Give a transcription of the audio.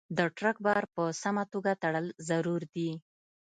د ټرک بار په سمه توګه تړل ضروري دي.